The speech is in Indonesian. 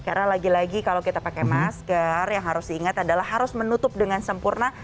karena lagi lagi kalau kita pakai masker yang harus diingat adalah harus menutup dengan sempurna